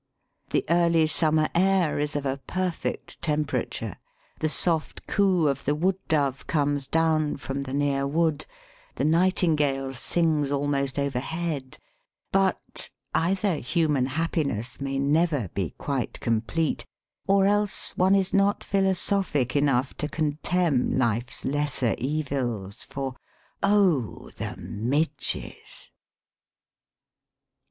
The early summer air is of a perfect temperature, the soft coo of the wood dove comes down from the near wood, the nightingale sings almost overhead, but either human happiness may never be quite complete, or else one is not philosophic enough to contemn life's lesser evils, for oh, the midges!